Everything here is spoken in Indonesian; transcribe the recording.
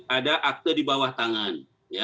ada akte di bawah tangan